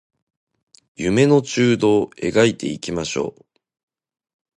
夢の中道描いていきましょう